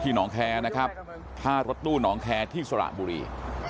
หนองแคร์นะครับท่ารถตู้หนองแคร์ที่สระบุรี